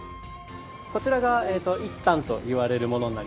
こちらが１反といわれるものになります。